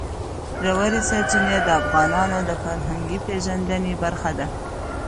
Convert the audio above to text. ژورې سرچینې د افغانانو د فرهنګي پیژندنې برخه ده.